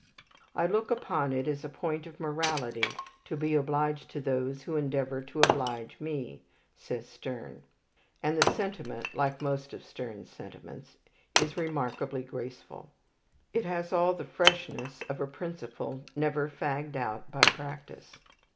"I look upon it as a point of morality to be obliged to those who endeavour to oblige me," says Sterne; and the sentiment, like most of Sterne's sentiments, is remarkably graceful. It has all the freshness of a principle never fagged out by practice.